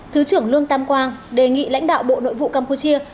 thứ trưởng lương tam quang đề nghị lãnh đạo bộ nội vụ campuchia